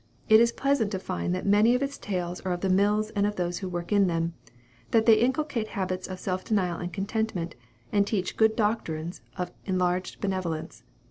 It is pleasant to find that many of its tales are of the mills and of those who work in them; that they inculcate habits of self denial and contentment, and teach good doctrines of enlarged benevolence.